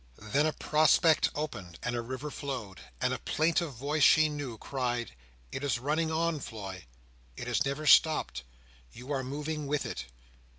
Then a prospect opened, and a river flowed, and a plaintive voice she knew, cried, "It is running on, Floy! It has never stopped! You are moving with it!"